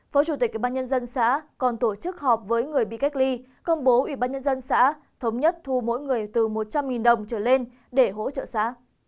phó chủ tịch ubnd xã còn tổ chức họp với người bị cách ly công bố ủy ban nhân dân xã thống nhất thu mỗi người từ một trăm linh đồng trở lên để hỗ trợ xã